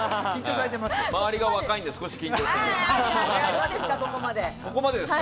周りが若いんで少し緊張しています。